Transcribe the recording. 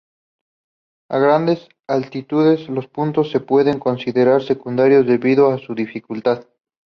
A grandes altitudes los puntos se pueden considerar secundarios debido a su dificultad.